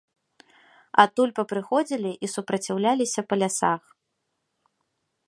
Адтуль папрыходзілі і супраціўляліся па лясах.